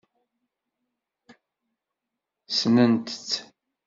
Ssnent-t.